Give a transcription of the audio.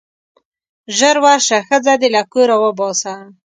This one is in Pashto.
ژر ورشه ښځه دې له کوره وباسه.